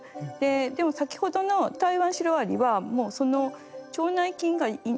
でも先ほどのタイワンシロアリはもうその腸内菌がいない。